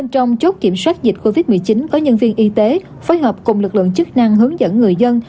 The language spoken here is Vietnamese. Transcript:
trong chốt kiểm soát dịch covid một mươi chín có nhân viên y tế phối hợp cùng lực lượng chức năng hướng dẫn người dân